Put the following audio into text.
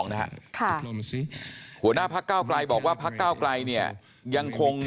นะฮะค่ะหัวหน้าพักเก้าไกลบอกว่าพักเก้าไกลเนี่ยยังคง